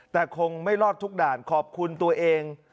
แต่คงไม่รอดทุกด่านขอบคุณตัวเอง